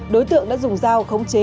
đối tượng đã dùng dao khống chế